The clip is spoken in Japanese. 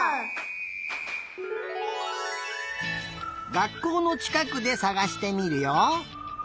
がっこうのちかくでさがしてみるよ。